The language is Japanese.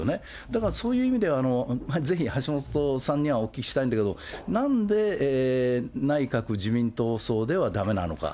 だからそういう意味では、ぜひ橋本さんにはお聞きしたいんだけど、なんで内閣自民党葬ではだめなのか。